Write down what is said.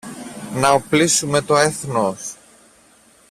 να οπλίσουμε το έθνος.